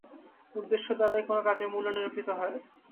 উদ্দেশ্য দ্বারাই কোন কাজের মূল্য নিরূপিত হয়।